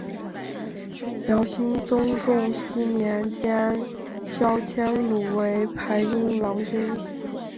辽兴宗重熙年间萧迂鲁为牌印郎君。